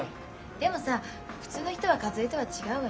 でもさ普通の人は一恵とは違うわよ。